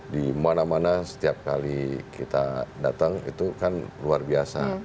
di mana mana setiap kali kita datang itu kan luar biasa